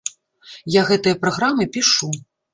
Я гэтыя праграмы пішу.